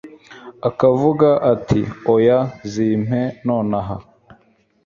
akavuga ati oya zimpe nonaha